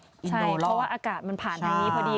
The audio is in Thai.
ใช่เพราะว่าอากาศมันผ่านทางนี้พอดี